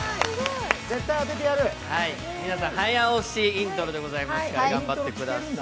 皆さん、早押しイントロでございますから、頑張ってください。